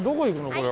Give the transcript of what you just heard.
これ。